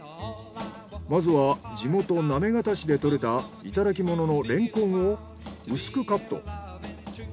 まずは地元行方市で採れたいただきもののレンコンを薄くカット。